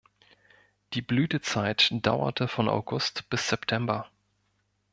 Die Blütezeit dauerte von August bis September.